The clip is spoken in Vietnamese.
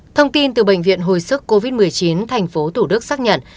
thông tin từ bệnh viện hồi sức covid một mươi chín tp thủ đức xác nhận